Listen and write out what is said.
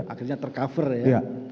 akhirnya tercover ya